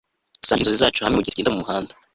dusangira inzozi zacu hamwe mugihe tugenda mumuhanda